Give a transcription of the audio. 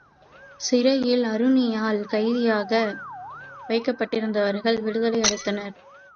சிறையில் ஆருணியால் கைதியாக வைக்கப்பட்டிருந்தவர்கள் விடுதலை அடைந்தனர்.